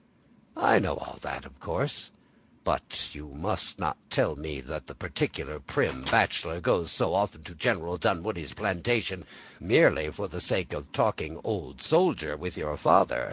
"I know all that, of course; but you must not tell me that the particular, prim bachelor goes so often to General Dunwoodie's plantation merely for the sake of talking old soldier with your father.